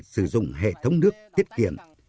sử dụng hệ thống nước tiết kiệm